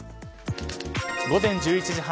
午前１１時半。